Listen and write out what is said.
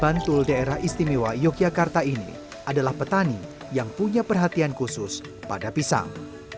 bantul daerah istimewa yogyakarta ini adalah petani yang punya perhatian khusus pada pisang